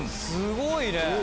すごいね。